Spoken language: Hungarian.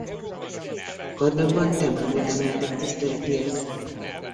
Karnakban templomot emeltek tiszteletére.